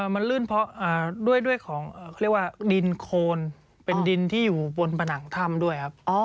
มันลื่นเพราะด้วยของเขาเรียกว่าดินโคนเป็นดินที่อยู่บนผนังถ้ำด้วยครับ